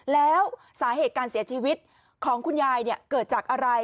แล้วสาเหตุการเสียชีวิตของคุณยายเกิดจากอะไร